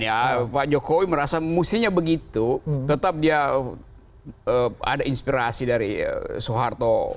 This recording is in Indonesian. ya pak jokowi merasa mestinya begitu tetap dia ada inspirasi dari soeharto